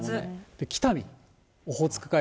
で、北見、オホーツク海側。